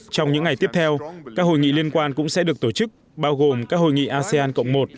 trong những ngày tiếp theo các hội nghị liên quan cũng sẽ được tổ chức bao gồm các hội nghị asean cộng một